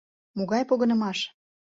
Могай погынымаш?